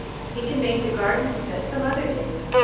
He can make the garden, he says, some other day.